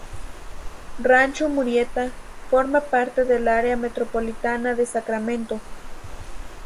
Rancho Murieta forma parte del área metropolitana de Sacramento.